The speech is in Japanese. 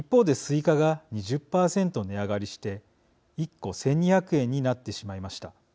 いかが２０％値上がりして１個１２００円になってしまいました。